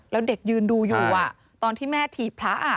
แล้วเด็กยืนดูอยู่ตอนที่แม่ถีบพระ